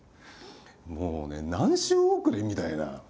もうね何周遅れ？みたいな。